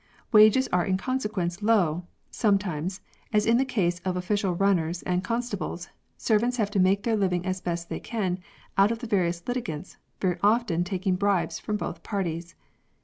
Wages are in consequence low; sometimes, as in the case of ofl&cial runners and con stables, servants have to make their living as best they can out of the various litigants, very often taking bribes from both parties.